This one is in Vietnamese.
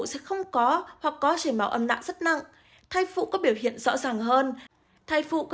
sẽ không có hoặc có chế máu âm đạo rất nặng thai phụ có biểu hiện rõ ràng hơn thai phụ có